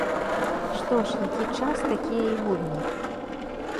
Што ж, які час, такія і гульні.